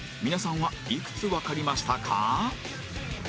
皆さんはいくつわかりましたか？